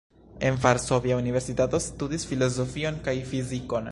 En Varsovia Universitato studis filozofion kaj fizikon.